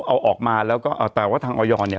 เราก็แต่ว่าทางออยร์ทางออยร์เนี้ย